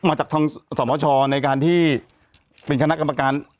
มาจากทางสมชในการที่เป็นคณะกรรมการ